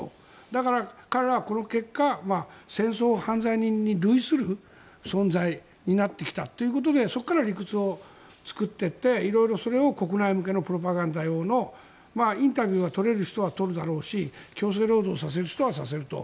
だから彼らはこの結果戦争犯罪人に類する存在になってきたということでそこから理屈を作ってって色々それを国内向けのプロパガンダ用のインタビューは取れる人は取るだろうし強制労働させる人はさせると。